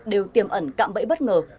đều tiềm ẩn cạm bẫy bất ngờ